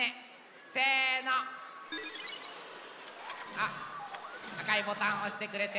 あっあかいボタンおしてくれて。